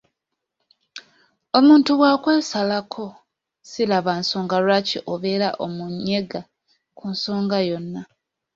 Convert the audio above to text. Omuntu bw’akwesalako siraba nsonga lwaki obeera omunyega ku nsonga yonna.